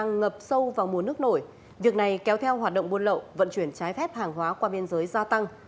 ngập sâu vào mùa nước nổi việc này kéo theo hoạt động buôn lậu vận chuyển trái phép hàng hóa qua biên giới gia tăng